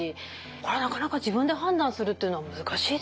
なかなか自分で判断するっていうのは難しいですね。